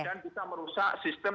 dan bisa merusak sistem